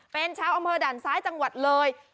เป็นชาวอำเภอด่านซ้ายจังหวัดเลย